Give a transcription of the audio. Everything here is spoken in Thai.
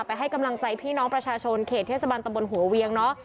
ให้กำลังใจพี่น้องประชาชนเขตเทศบาลตำบลหัวเวียงเนาะ